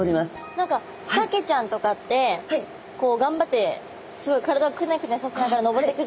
何かサケちゃんとかって頑張ってすごい体をくねくねさせながら登っていくじゃないですか。